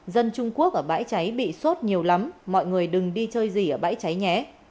dân trung quốc ở bãi cháy bị sốt nhiều lắm mọi người đừng đi chơi gì ở bãi cháy nhé